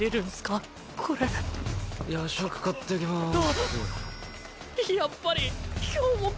夜食買ってきますあっ！